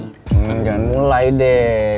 hmm jangan mulai deh